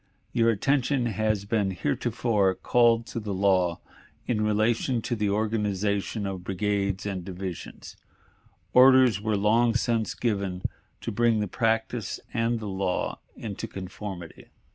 "... Your attention has been heretofore called to the law in relation to the organization of brigades and divisions orders were long since given to bring the practice and the law into conformity.